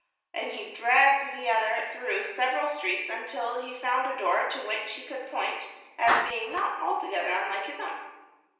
and he dragged the other through several streets until he found a door to which he could point as being not altogether unlike his own.